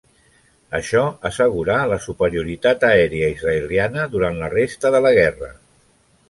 Això assegurà la superioritat aèria israeliana durant la resta de la guerra.